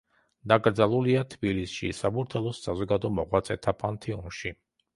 დაკრძალულია თბილისში, საბურთალოს საზოგადო მოღვაწეთა პანთეონში.